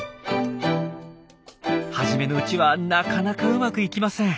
初めのうちはなかなかうまくいきません。